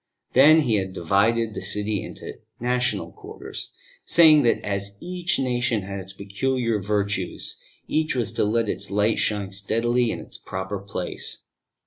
Then he had divided the city into national quarters, saying that as each nation had its peculiar virtues, each was to let its light shine steadily in its proper place.